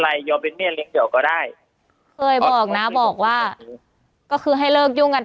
ไรยอมเป็นเดี๋ยวก็ได้เคยบอกนะบอกว่าก็คือให้เลิกยุ่งกัน